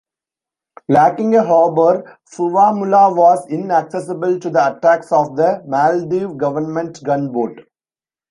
Lacking a harbor, Fuvahmulah was inaccessible to the attacks of the Maldive government gunboat.